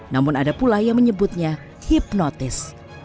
namun ada pula yang menyebutnya hipnotis